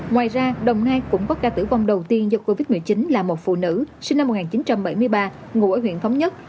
ngoài ra đồng nai cũng có ca tử vong đầu tiên do covid một mươi chín là một phụ nữ sinh năm một nghìn chín trăm bảy mươi ba ngụ ở huyện thống nhất